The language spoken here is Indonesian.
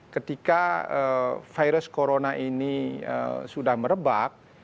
ketika virus corona ini sudah merebak